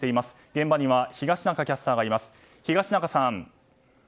現場には東中キャスターがいます。